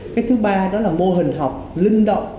cái thứ ba đó là mô hình học linh động